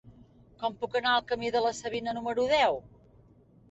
Com puc anar al camí de la Savina número deu?